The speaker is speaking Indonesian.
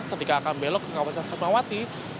ketika akan belok ke kawasan fatmawati